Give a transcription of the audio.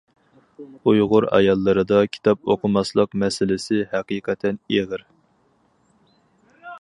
ئۇيغۇر ئاياللىرىدا كىتاب ئوقۇماسلىق مەسىلىسى ھەقىقەتەن ئېغىر.